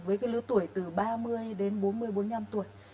với cái lứa tuổi từ ba mươi đến bốn mươi bốn mươi năm tuổi